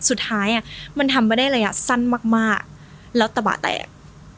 สุดท้ายอ่ะมันทำไม่ได้ระยะสั้นมากแล้วกระบะแตก